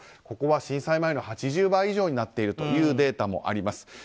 ここは震災前の８０倍以上になっているというデータもあります。